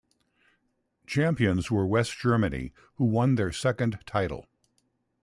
Champions were West Germany who won their second title.